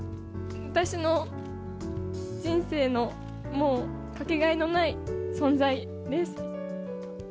私の人生の、もう、掛けがえのない存在です。